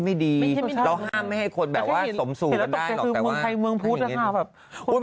ไม่ใช่วันเดียว